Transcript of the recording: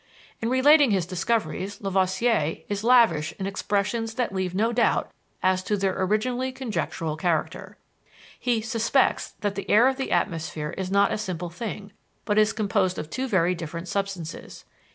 In relating his discoveries, Lavoisier is lavish in expressions that leave no doubt as to their originally conjectural character. "He suspects that the air of the atmosphere is not a simple thing, but is composed of two very different substances."